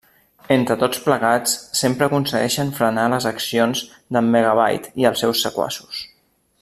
Entre tots plegats sempre aconsegueixen frenar les accions d'en Megabyte i els seus sequaços.